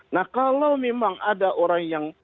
nah kalau memang ada orang yang